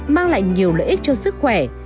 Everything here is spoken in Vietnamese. mang lại nhiều lợi ích cho sức khỏe